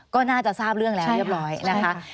ก็น่าจะทราบเรื่องแล้วเรียบร้อยนะคะ